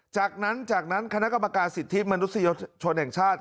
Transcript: จากนั้นคณะกรรมการสิทธิ์มนุษยชนแห่งชาติ